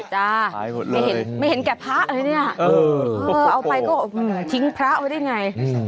จ้าไม่เห็นไม่เห็นแก่พระเลยเนี่ยเอาไปก็ทิ้งพระไว้ได้ไง